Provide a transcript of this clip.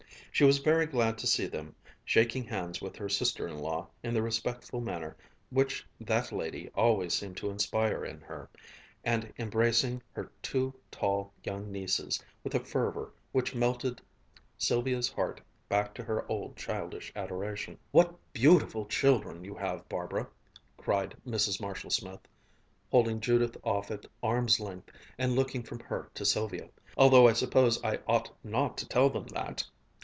She was very glad to see them, shaking hands with her sister in law in the respectful manner which that lady always seemed to inspire in her, and embracing her two tall young nieces with a fervor which melted Sylvia's heart back to her old childish adoration. "What beautiful children you have, Barbara!" cried Mrs. Marshall Smith, holding Judith off at arm's length and looking from her to Sylvia; "although I suppose I ought not to tell them that!"